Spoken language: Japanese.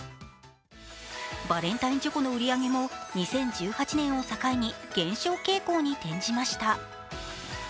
バレンタインチョコの売り上げも２０１８年を境に減少傾向に転じました。